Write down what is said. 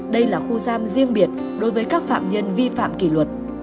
đây là khu giam riêng biệt đối với các phạm nhân vi phạm kỷ luật